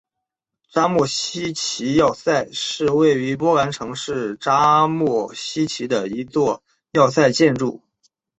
扎莫希奇要塞是位于波兰城市扎莫希奇的一座要塞建筑。